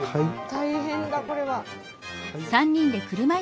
大変だこれは。